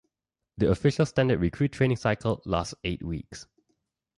The official standard recruit training cycle lasts eight weeks.